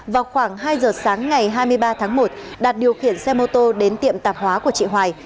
vào khoảng hai giờ sáng ngày hai mươi ba tháng một đạt điều khiển xe mô tô đến tiệm tạp hóa của chị hoài